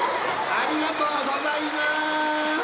ありがとうございます！